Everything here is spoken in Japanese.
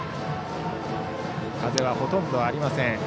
風はほとんどありません。